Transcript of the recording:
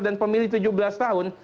dan pemilih tujuh belas tahun